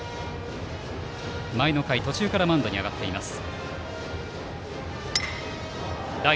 前の回、途中からマウンドに上がっています。